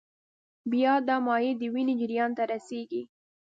بیا دا مایع د وینې جریان ته رسېږي.